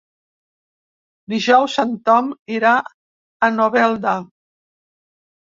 Dijous en Tom irà a Novelda.